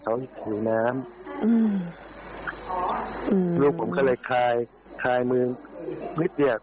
เขาเห็นผิวน้ำอืมอืมลูกผมก็เลยทายทายมืออืะเทียบ